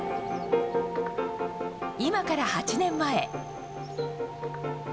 今から８年前。